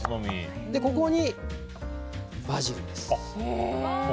ここにバジルです。